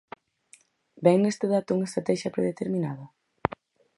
Ven neste dato unha estratexia predeterminada?